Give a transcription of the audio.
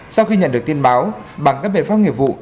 sau khi nhận được tin báo bằng các biện pháp nghiệp vụ